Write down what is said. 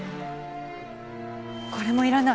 これもいらない！